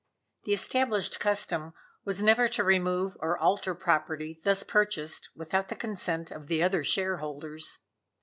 The established custom was never to remove or alter property thus purchased without the consent of the other shareholders.